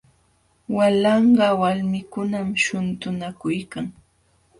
Walanqa walmikunam shuntunakuykan.